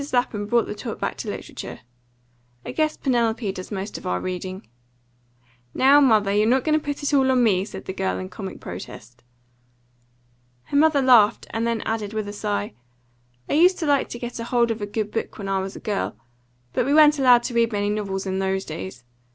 Lapham brought the talk back to literature. "I guess Penelope does most of our reading." "Now, mother, you're not going to put it all on me!" said the girl, in comic protest. Her mother laughed, and then added, with a sigh: "I used to like to get hold of a good book when I was a girl; but we weren't allowed to read many novels in those days.